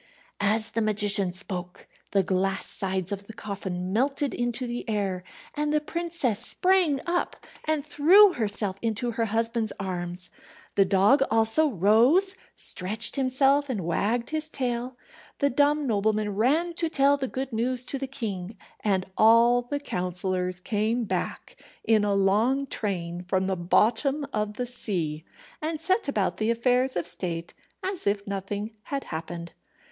As the magician spoke the glass sides of the coffin melted into the air, and the princess sprang up, and threw herself into her husband's arms. The dog also rose, stretched himself, and wagged his tail. The dumb nobleman ran to tell the good news to the king, and all the counsellors came back in a long train from the bottom of the sea, and set about the affairs of state as if nothing had happened.